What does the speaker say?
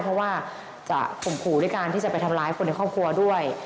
เพราะว่าจะข่มขู่ด้วยการที่จะไปทำร้ายคนในครอบครัวด้วย